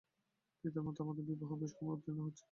পিতার মতে আমার বিবাহের বয়স ক্রমে উত্তীর্ণ হইয়া যাইতেছে।